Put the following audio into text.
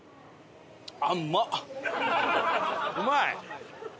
うまい？